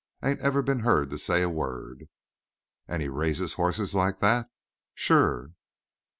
Ain't ever been heard to say a word." "And he raises horses like that?" "Sure."